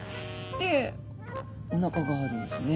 でおなかがあるんですね。